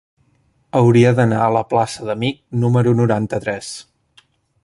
Hauria d'anar a la plaça d'Amich número noranta-tres.